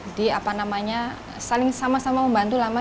jadi apa namanya saling sama sama membantu lama